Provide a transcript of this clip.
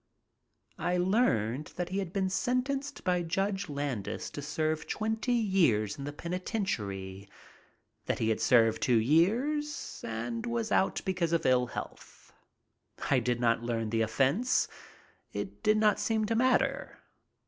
I learned that he had been sentenced by Judge Landis to serve twenty years in the penitentiary, that he had served two years and was out because of ill health. I did not learn the offense. It did not seem to matter.